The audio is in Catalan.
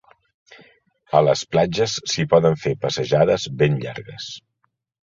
A les platges s'hi poden fer passejades ben llargues.